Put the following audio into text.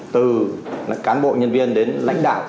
từ cán bộ nhân viên đến lãnh đạo